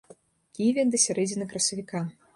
Кіеве да сярэдзіны красавіка.